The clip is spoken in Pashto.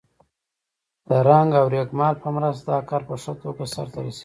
د رنګ او رېګمال په مرسته دا کار په ښه توګه سرته رسیږي.